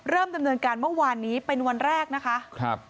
ดำเนินการเมื่อวานนี้เป็นวันแรกนะคะ